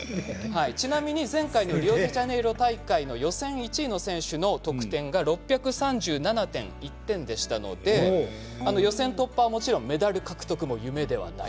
ちなみに前回のリオデジャネイロ大会の予選１位の選手の得点が６３７．１点でしたので予選突破はもちろんメダル獲得も夢ではないと。